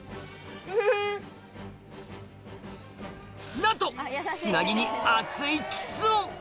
なんとつなぎに熱いキスを！